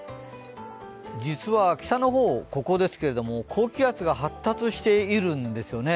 実は北の方、ここですけども、高気圧が発達しているんですよね。